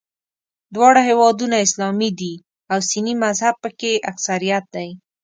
دواړه هېوادونه اسلامي دي او سني مذهب په کې اکثریت دی.